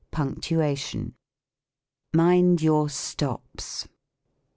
PUrJCTUATION. " Mind your stops."